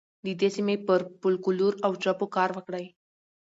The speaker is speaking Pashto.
د دې سیمې پر فولکلور او ژبو کار وکړئ.